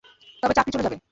তবে চাকরি চলে যাবে।